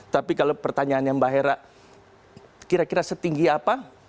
tapi kalau pertanyaannya mbak hera kira kira setinggi apa